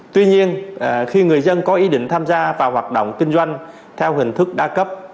tuy nhiên khi người dân có ý định tham gia vào hoạt động kinh doanh theo hình thức đa cấp